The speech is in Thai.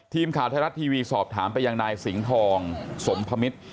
ทีมข่าวไทยรัฐทีวีสอบถามไปยังนายสิงห์ทองสมพมิตร